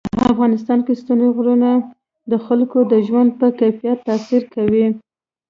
په افغانستان کې ستوني غرونه د خلکو د ژوند په کیفیت تاثیر کوي.